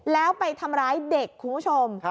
แล้วไปทำร้ายเด็กคุณผู้ชม